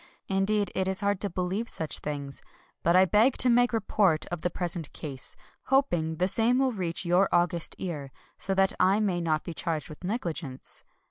Indeed, it is hard to believe such things. But I beg to make report of the present case, hoping the same will reach your august ear, — so that I may not be charged with negligence.